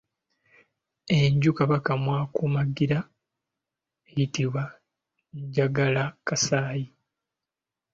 Enju kabaka mw’akomagira eyitibwa Njagalakasaayi.